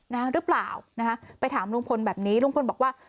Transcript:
นะหรือเปล่านะคะไปถามลุงพลแบบนี้ลุงพลบอกว่า